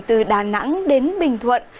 từ đà nẵng đến bình thuận